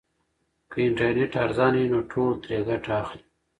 که انټرنیټ ارزانه وي نو ټول ترې ګټه اخلي.